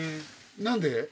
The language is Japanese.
何で？